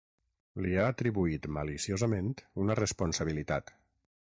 Li ha atribuït maliciosament una responsabilitat.